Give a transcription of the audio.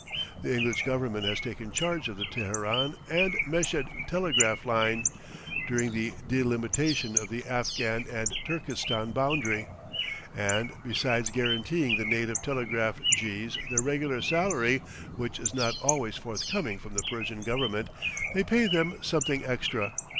The English Government has taken charge of the Teheran and Meshed telegraph line, during the delimitation of the Afghan and Turkestan boundary, and, besides guaranteeing the native telegraph jees their regular salary which is not always forthcoming from the Persian Government they pay them something extra.